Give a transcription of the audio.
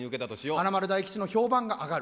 華丸・大吉の評判が上がる。